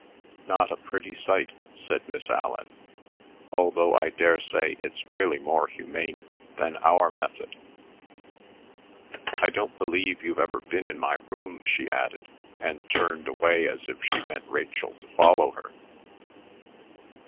"Not a pretty sight," said Miss Allan, "although I daresay it's really more humane than our method. ... I don't believe you've ever been in my room," she added, and turned away as if she meant Rachel to follow her.